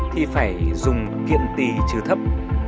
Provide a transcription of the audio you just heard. thì phải dùng kiện tì trừ thấp